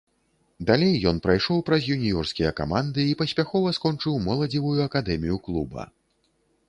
Далей ён прайшоў праз юніёрскія каманды і паспяхова скончыў моладзевую акадэмію клуба.